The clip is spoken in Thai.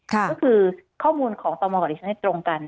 ก็คือข้อมูลของจันรกตำมวลต่อดิฉันให้ตรงกัน